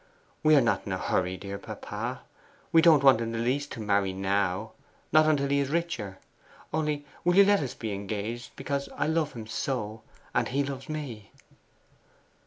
We are not in a hurry, dear papa; we don't want in the least to marry now; not until he is richer. Only will you let us be engaged, because I love him so, and he loves me?